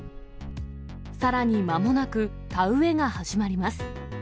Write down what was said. さらにまもなく田植えが始まります。